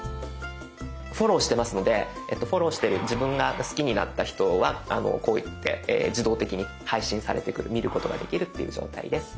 フォローしてますのでフォローしてる自分が好きになった人のがこうやって自動的に配信されてくる見ることができるっていう状態です。